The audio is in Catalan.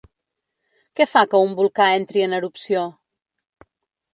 Què fa que un volcà entri en erupció?